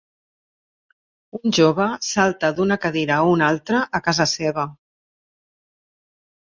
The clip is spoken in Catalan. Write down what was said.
Un jove salta d'una cadira a una altra a casa seva